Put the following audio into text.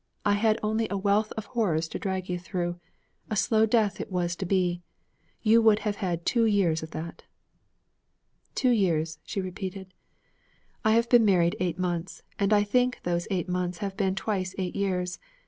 I had only a wealth of horrors to drag you through. A slow death it was to be. You would have had two years of that.' 'Two years,' she repeated. 'I have been married eight months; and I think those eight months have been twice eight years.